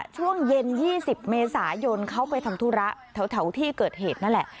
ช่วงเย็น๒๐เมษายนเขาไปทำธุระแถวที่เกิดเหตุนั่นแหละ